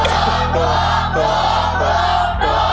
ค้าโถข้อนี้